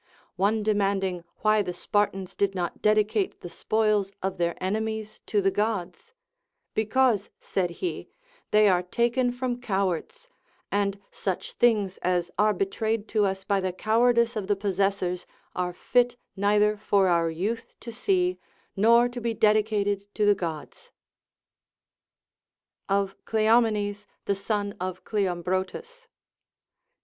One demanding why the Spartans did not dedicate the spoils of their enemies to the Gods, Because, said he, they are taken from cowards ; and such things as are betrayed to us by the cowardice of the possessors are fit neither for our youth to see, nor to be dedicated to the Gods. Of Cleomenes the Son of Cleomhrotus.